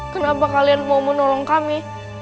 kenapa kalian mau menolong kami